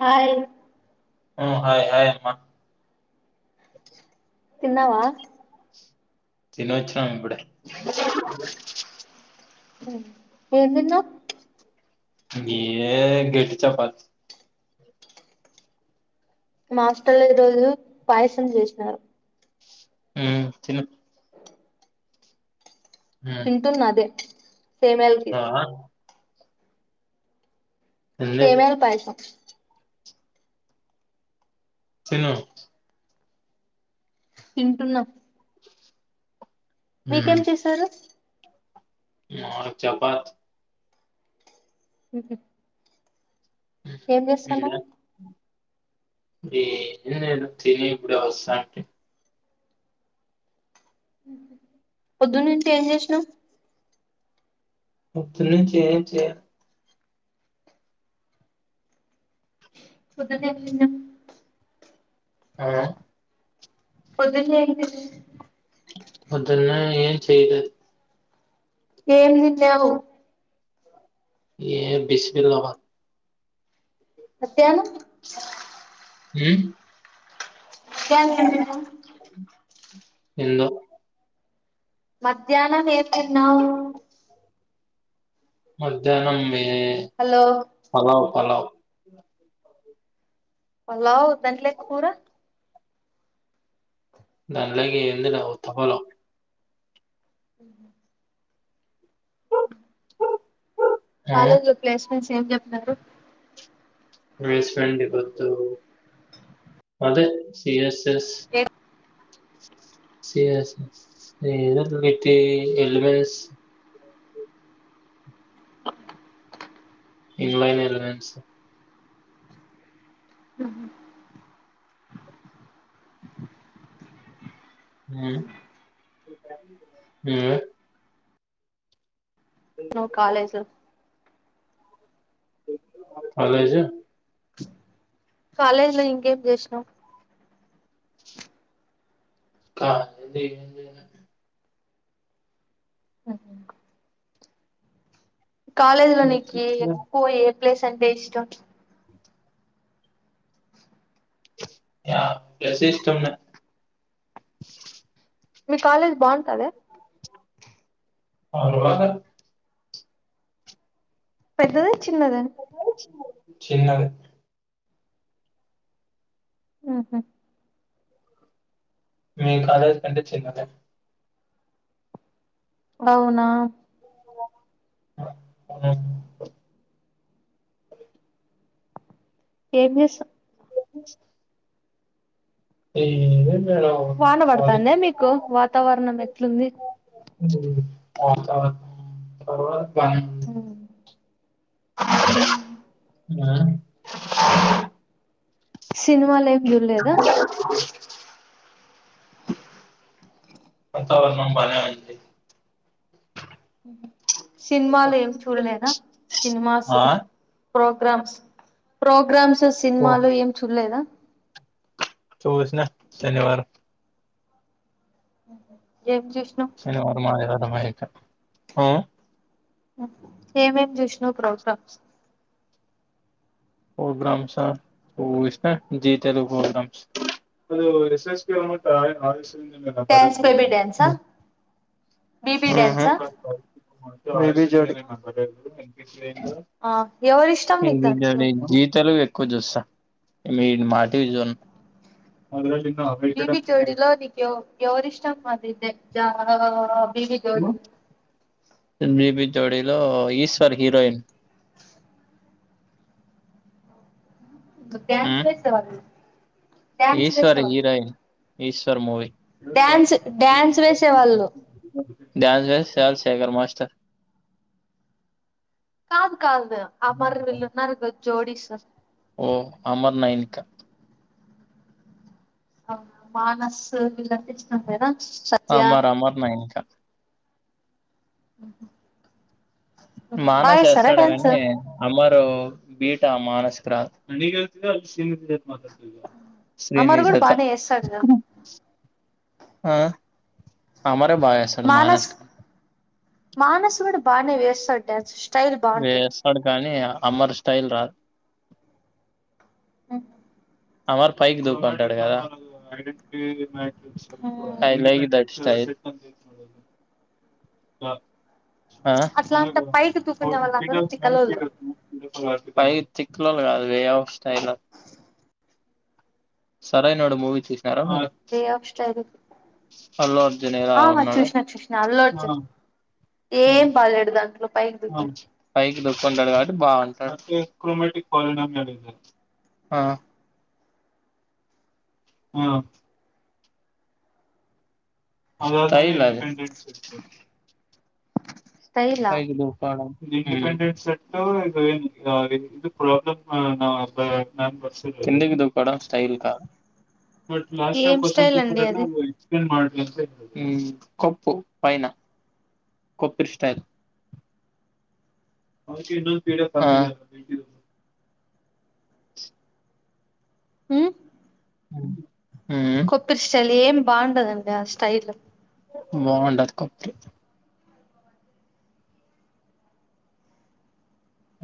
Hi ఉ hi hi అమ్మ తిన్నావా తినీ వోచ్చిన ఇప్పుడే ఉ ఏం తిన్నావ్ మీ గెట్టి చపాత్ మా హాస్టల్ లో ఈ రోజు పాయసం చేసినారు హ్మ్ తిను ఉమ్ తింటున్న అదే సేమ్యాల ఖీర్ ఆ ఏంది సేమ్యాలు పాయసం తిను తింటున్నా మీకేం చేశారు మా చపాత్ ఉ ఏం చేస్తానావ్ ఏందొ నేను తినేప్పుడే వస్తాంటి పొద్దున్నుంచి ఏం చేసినావ్ పొద్దున్నుంచి ఏం చే [unintelligible] ఆ పొద్దు చేను [inaudible] పొద్దున్నే ఏం చెయ్ లేదు ఏం తిన్యావు ఏ బిస్మిల్లా బాత్ మధ్యానం మ్మ్ కంది ఎందొ మద్ ధ్యానం ఏం తిన్నావు మధ్యానం నే హలో పలావ్ పలావు లావ్ దాంట్లేక్ కూర దాన్లా కేంది లేవ్ ఉత్త పలావ్ ఊహూ ట్ ఆ కాలేజ్ లో ప్లేస్ నుంచేం చెప్నారు బేస్మెంట్ ఇదొద్దు అదే సిఎస్ దెస్ A C yes [unintelligible] in line elements మ్మ్ మ్మ్ నువ్వు కాలేజ్ కాలేజు కాలేజ్ లో ఇంకేం చేసినవ్ క ది కాలేజ్ లో నీకి ఎక్కువ ఏ ప్లేస్ అంటే ఇష్టం నా ప్లేసే ఇష్టం మీ కాలేజ్ బాగు టదా వాళ్ళు రాద పెద్దది చిన్నద చిన్నది మ్మ్ హు మీ కాలేజ్ కంటే చిన్నదే అవునా [unintelligible] ఏమి చేస్ [inaudible] వాన ఖాళీ పడతాంద మీకు వాతావరణం ఎట్లుంది [unintelligible] మ్మ్ మ్మ్ ఆ సినిమా లే జుల్లేదా వాతావరణం బానే ఉంది సినిమాలు ఏం చూడలేదా ఆ, సినిమాసు ప్రోగ్రామ్స్ ప్రోగ్రామ్స్ ఓ, సినిమాలు ఏం చూడలేదా చూసిన శనివారం మ్మ్ హు ఏం చేస్తున్నావు ఆ ఏం ఏం చూసినావ్ ప్రోగ్రామ్స్ ఫోగ్రామ్స్ ఇస్తా Zee Telugu programmes dance baby dance ఆ బీబీ డ్యాన్స్ ఆ జ్యోతి ఆ ఎవరిష్టం నీకు ఏవి జడ దాంట్లో జీతలు వ్యక్ ఎక్కు చూసా నేను మాటివి చూడను బీబి జోడిలో నీకు ఎవరు ఇష్టం అమీ పేరు జ బిబి జోడి బిబి జోడిలో ఈశ్వరి హిరోయిన్ డ్యాన్స్ వేసారావాళ్ళు Eshwari heroine Eshwar movie dance dance వేసేవాళ్ళు ధ్యాన్ వస్ డ్యాన్స్ శేఖర్ మాస్టర్ కాదు కాదు అమర్ వీళ్లు ఉన్నారు జోడిస్ ఓ అమర్ నైనికా మానస్ వీళ్తె ఇచ్చినండేనా అమర్ అమర్ మెనకా ఆ బానే చేస్తాడు గాని అమర్ బీటా మానసికరా అమర్ కూడా బానే చేస్తా వేస్తాడు కదా ఆ అమ బా చేస్తాడు మానస్ మనస్ కూడా బానే వేస్తాడు డ్యాన్స్ స్టైల్ బాగుంటది వేస్తాడు కాని అమర్ స్టైల్ రా ఆమ్ అమర్ పైకి దువుకుంటాడు కదా ఐ లైక్ దట్ [inaudible] అ అ అట్లా అంట పైకి దూకునే వాళ్ళందరూ తిక్కలోళ్ళు పై తిక్లోళ్ళు కాదు way of style Sarrainodu movie చూస్ [unintelligible] అల్లు అర్జున్ ఎలా అ ఉన్నాడు వచ్చేస్నా వచ్చేస్నా [unintelligible] ఏం బాలేడు దాంట్లో పైకి దిగిపోయి పైకి దుక్కుంటాడు కాబట్టి బాగుంటాడు ఆటోమేటిక్ [unintelligible] అ ఆ అది ఒకటి అయలది స్టైలా ఐదు దుకాణం సెట్ ఇ ఇ ప్రబ్లమ్ [unintelligible] బట్ లాస్ట్ ఇయర్ ఏం క్వశ్చన్ స్టైల్ పేపర్ అండి అది [unintelligible] మ్ కొప్పు పైన కొప్ప స్టైల్ అ మ్ ఉమ్, కొప్పష్టలి ఏం బావుంటదండి ఆ స్టైల్ బాగుంటది కొబ్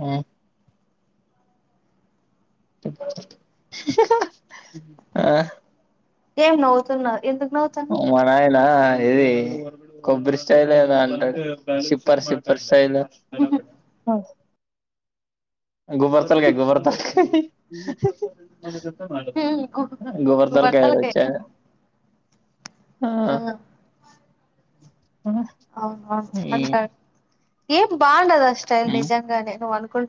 ఆ ఆ ఏం నవుతున్నావ్ అ మన ఇనా ఇది కొబ్బరి స్టైల్ ఏనా అంటారు సిప్పర్ సిప్పర్ స్టైల్ అ గోబ్బర్తల్క గోబర్తల ఉమ్ గు గోబర్తలకా గుబర్తలకే వచ్చా ఆ ఆ, అవు ఈ అంటాడు ఏం బాండదా స్టైల్ ఏ? నిజంగానే నువ్వు అనుకుం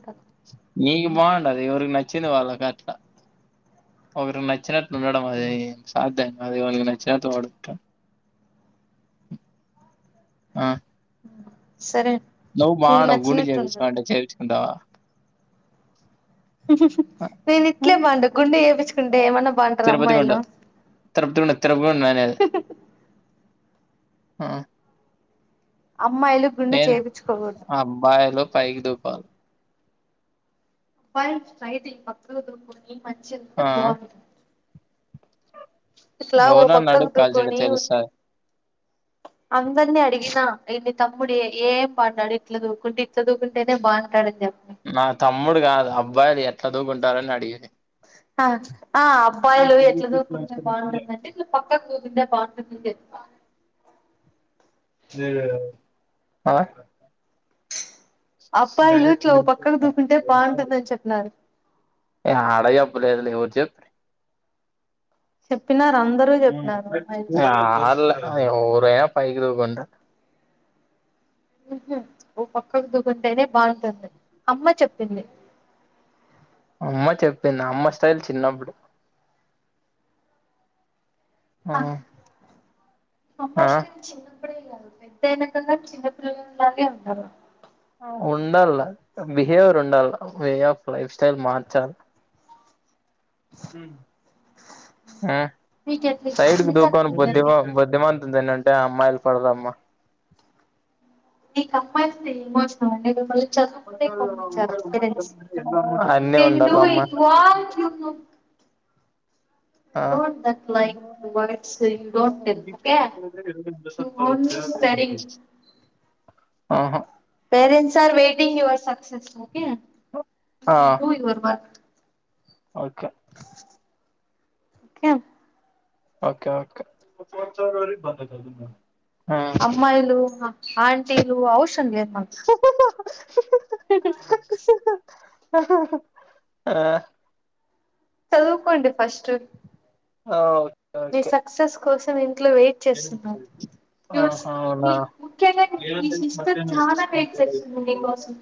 అదే ఎవరికి నచ్చింది వాళ్ళ కాట్లా ఒకరికి నచ్చినట్ ఉండడం అది సాధ్యం గాదు అది నచ్చినట్ వాడు ఆ సరే నువ్వు మీకు వాడవ్ గుండు నచ్చినట్టుండదు చేపించుకుంటాడు అంటా నేను ఇట్లే బాగుంట గుండె చేయించుకుంటే ఏమన్నా బాగుంటారు తిరుపతి గుండు అమ్మాయిలు తిరుపతి గుండు తిరుపతి గుండు అనేది ఆ అమ్మాయిలు గుండు ఏం చేపించుకోకూడదు అబ్బాయిలు పైకి దూపాలు [unintelligible] ఏ మంచిదింటే ఆ బాగుంది ఇలా ఓ ఎవరన్నా పక్కకు అడుగు కాల్చడం దూకుని తెలుస్తుంది అందర్నీ అడిగినా ఇన్ని తమ్ముడు ఏం పాడ్డాడు ఇట్లా దూకుంటే ఇట్లా దూకుంటేనే బాగుంటాడని చెప్పి నా తమ్ముడు కాదు అబ్బాయిది ఎ దు గుంటారాని అడిగింది ఆ ఆ అబ్బాయిలు ఎట్లా దూకుంటే బాగుంటుందంటే ఇలా పక్కకు దూకుంటే బాగుంటుంది ఆ అబ్బాయిలు ఇట్లా ఓ పక్కకు దూకుంటే బాగుంటుందని చెప్పినారు యాడ చెప్పలేదు లే ఉరికే జబ్ చెప్పినారు అందరూ చెప్పినారు అమ్మాయిలు ఆళ్ళ అదే ఓరే పైకి తూకుంట ఓ పక్కకు దూకుంటేనే బాగుంటుంది అమ్మ చెప్పింది అమ్మ చెప్పింది అమ్మ స్టైల్ చిన్నప్పుడు ఆ అప్పస్టిన్ ఆ చిన్న అప్పుడే కాదు పెద్దనకంగా చిన్నపిల్లలానే ఉంటారు ఓ ఉండాల్ల బిహేవియర్ ఉండాల వే ఆఫ్ లైఫ్ స్టైల్ మార్చాలి ఉ ఆ మీకు ఎట్లా సైడ్కి ఇష్టమైతే అట్లా దుకానం ఉండండి బద్ధిమా బుద్ధిమాంతుందేనంటే అమ్మాయిలు పడదా అమ్మా మీ కమ్మాయి తిరిగి భోజనం అండి మిమ్మల్ని చదువుకుంటే కొనిచ్చారు అన్నీ రెండు ఉండాలమ్మా ఈక్వల్ ఆ డోంట్ థాట్ లైక్ యువన చే don't tell okay you only studying ఆహా parents are waiting you are successful okay ఆ డు యుఅర్ వర్క్ ఓకే కే ఒకే ఒకే ఒకసారి ఒకసారి ఒరిగి పోత నేను అమ్మాయిలు హ ఆంటీలు ఔషంద్య మనసు ఆ చదువుకోండి ఫస్ట్ అవు మీ సక్సెస్ కోసం ఇంట్లో వెయిట్ చేస్తున్నారు, యు ఆహా అవునా సి ముఖ్యంగా మీ సిస్టర్ చాలా వెయిట్ చేస్తుంది నీకోసం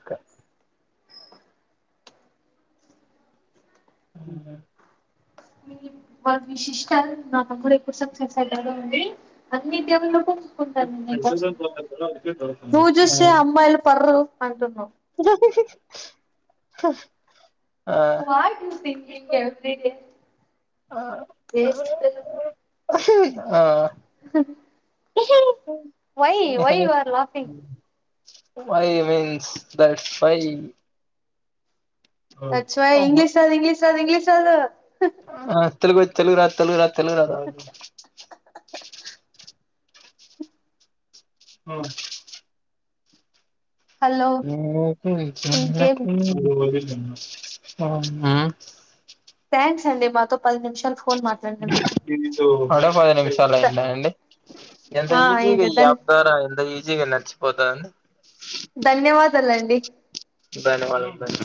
కరెక్ట్ అవున వాళ్ విశిష్టాలు నాన్న కూడా ఎక్కువ సేపు సక్సెస్ అయితడో ఉంది అన్నిటబుల్లకు [unintelligible] నీకోసం నువ్వు చూస్తే అమ్మాయిలు పర్రు అంటు జో హి ష్ ఆ వాట్ యూ థింకింగ్ ఎవ్రీడే ఆ సమయం ఉ ఆ why why your laughing why means that's why [unintelligible] English రాదు ఇంగ్లీష్ [unintelligible] ఇంగ్లీష్ రాదు ఆ తెలుగు తెలుగు రా తెలుగు రాత్ తెలుగు రాదా అవు హలో [unintelligible] మ్మ్ ఇంకేం ఆ మ్మ్ థ్యాంక్స్ అండి మాతో పది నిమిషాలు ఫోన్ మాట్లాడినందుకు అడే పది నిమిషాలు ద- అయింద అండి ఎంత ఆ ఈజీగా ఇదే ఈ ధన్ యాప్ ద్వారా ఎంత ఈజీగా నచ్చు పోతాంది ధన్యవాద్ [unintelligible] అండి ధన్యవాదం ధన్య